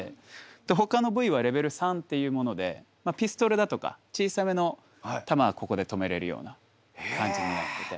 でほかの部位はレベル３っていうものでピストルだとか小さめの弾はここで止めれるような感じになってて。